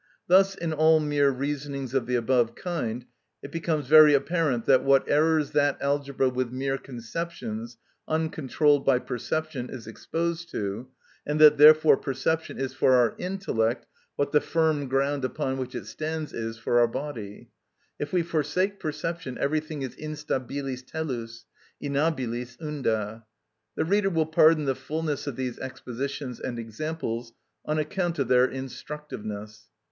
Thus in all mere reasonings of the above kind it becomes very apparent what errors that algebra with mere conceptions, uncontrolled by perception, is exposed to, and that therefore perception is for our intellect what the firm ground upon which it stands is for our body: if we forsake perception everything is instabilis tellus, innabilis unda. The reader will pardon the fulness of these expositions and examples on account of their instructiveness.